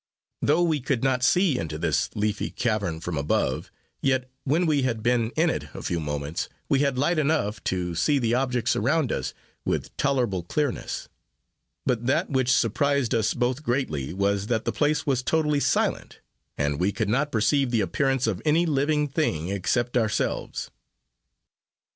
Though we could not see into this leafy cavern from above, yet when we had been in it a few moments, we had light enough to see the objects around us with tolerable clearness; but that which surprised us both greatly was, that the place was totally silent, and we could not perceive the appearance of any living thing, except ourselves.